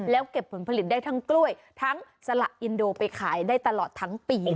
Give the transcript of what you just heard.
แล้วเก็บผลผลิตได้ทั้งกล้วยทั้งสละอินโดไปขายได้ตลอดทั้งปี